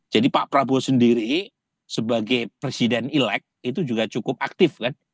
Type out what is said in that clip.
jadi pak prabowo sendiri sebagai presiden elect itu juga cukup aktif kan